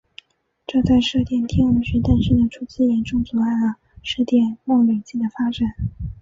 这在射电天文学诞生的初期严重阻碍了射电望远镜的发展。